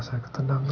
jangan jangan mas